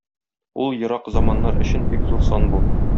Ул ерак заманнар өчен бик зур сан бу.